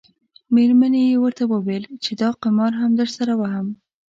میرمنې یې ورته وویل چې دا قمار هم درسره وهم.